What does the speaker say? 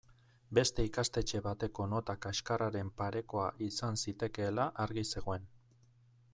Beste ikastetxe bateko nota kaxkarraren parekoa izan zitekeela argi zegoen.